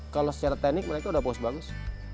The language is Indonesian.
kalau secara teknik mereka udah puas banget